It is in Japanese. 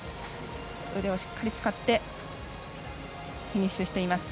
腕をしっかり使ってフィニッシュしています。